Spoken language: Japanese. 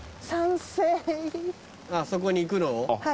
そこに行くのを？